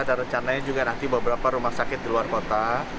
dan rencananya juga nanti beberapa rumah sakit di luar kota